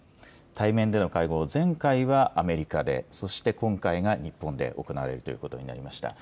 対面での会合、前回はアメリカで、そして今回が日本で行われるということになりました。